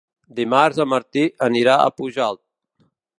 Dimarts en Martí anirà a Pujalt.